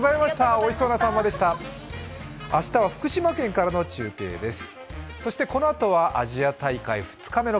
明日は福島県からの中継です。